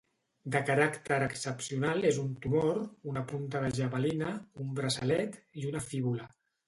De caràcter excepcional és un tumor, una punta de javelina, un braçalet i una fíbula.